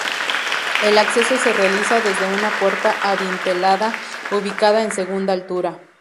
El acceso se realiza desde una puerta adintelada ubicada en segunda altura.